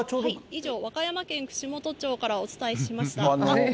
以上、和歌山県串本町からお伝えしました。